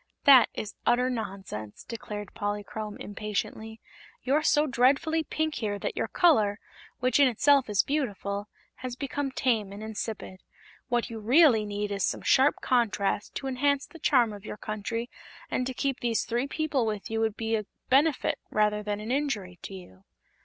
"That is utter nonsense," declared Polychrome, impatiently. "You're so dreadfully pink here that your color, which in itself is beautiful, has become tame and insipid. What you really need is some sharp contrast to enhance the charm of your country, and to keep these three people with you would be a benefit rather than an injury to you."